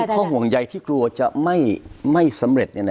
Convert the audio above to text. ข้อห่วงใยที่กลัวจะไม่สำเร็จ